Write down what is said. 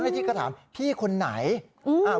ที่ก็ถามพี่คนไหน